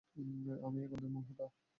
আমিই এই গন্ধের মূল হোতা।